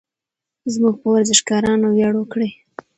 زموږ په ورزشکارانو ویاړ وکړئ.